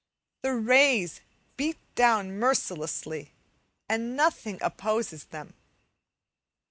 The rays beat down mercilessly, and nothing opposes them.